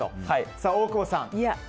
さあ、大久保さん。